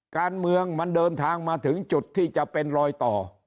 การเมืองมันเดินทางมาถึงจุดที่จะเป็นรอยต่อ